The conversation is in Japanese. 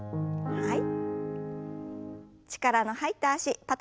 はい。